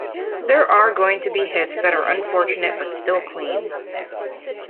There are going to be hits that are unfortunate but still clean.